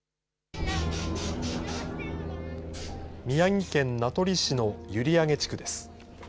宮城県名取市の閖上地区です。